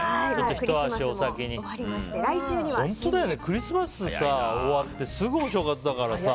クリスマス終わってすぐお正月だから。